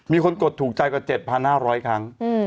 มีคนกดถูกใจกว่า๗๕๐๐ครั้ง